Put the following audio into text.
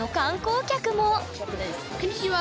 こんにちは。